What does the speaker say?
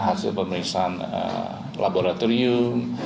hasil pemeriksaan laboratorium